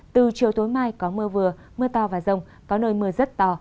từ chiều tối mai có mưa vừa mưa to và rông có nơi mưa rất to